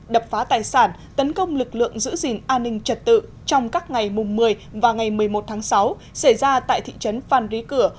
đập phá tài sản tấn công lực lượng giữ gìn an ninh trật tự trong các ngày mùng một mươi và ngày một mươi một tháng sáu xảy ra tại thị trấn phan rí cửa